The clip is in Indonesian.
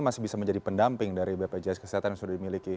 masih bisa menjadi pendamping dari bpjs kesehatan yang sudah dimiliki